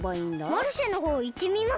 マルシェのほういってみます？